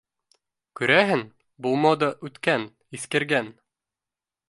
Күрәһең, был мода үткән, иҫкергән